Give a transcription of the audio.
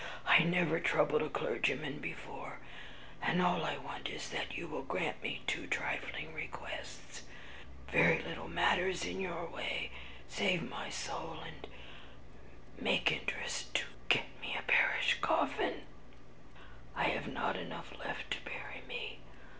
I never troubled a clergyman before, and all I want is, that you will grant me two trifling requests, very little matters in your way, save my soul, and (whispering) make interest to get me a parish coffin, I have not enough left to bury me.